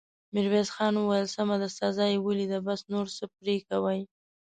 ميرويس خان وويل: سمه ده، سزا يې وليده، بس، نور څه پرې کوې!